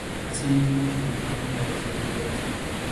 Asimismo publicó numerosos libros.